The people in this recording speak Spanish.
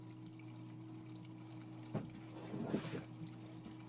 Santiago Cerón falleció a los setenta años en Nueva York debido a problemas cardíacos.